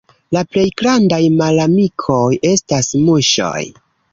La plej grandaj malamikoj estas muŝoj.